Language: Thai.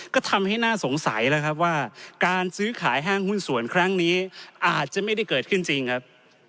ก็ทำให้น่าสงสัยแล้วครับว่าการซื้อขายห้างหุ้นส่วนครั้งนี้อาจจะไม่ได้เกิดขึ้นจริงครับ